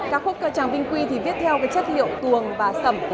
các khúc tràng vinh quy thì viết theo cái chất liệu tuồng và sầm